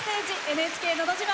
「ＮＨＫのど自慢」。